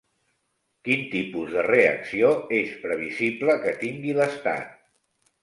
Quin tipus de reacció és previsible que tingui l'estat?